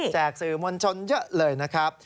สื่อมวลชนเยอะเลยนะครับ